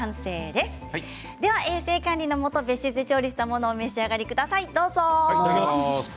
では衛生管理のもと別室で調理したものをお召し上がりください。